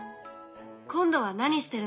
今度は何してるの？